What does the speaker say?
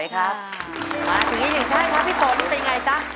สิ่งนี้อย่างงี้ครับพี่ฟนเป็นอย่างไรจ๊ะ